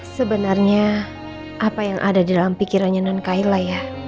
sebenarnya apa yang ada dalam pikiran nen kaila ya